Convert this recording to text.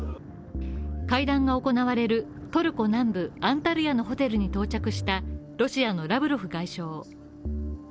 会談が行われるトルコ南部アンタルヤのホテルに到着したロシアのラブロフ外相。